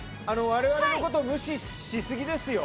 我々のこと無視しすぎですよ！